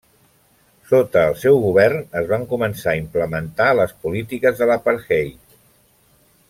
Sota el seu govern es van començar a implementar les polítiques de l'apartheid.